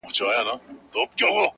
ورسره څه وکړم بې وسه سترگي مړې واچوي _